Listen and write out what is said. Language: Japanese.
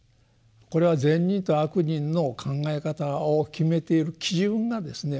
これは「善人」と「悪人」の考え方を決めている基準がですね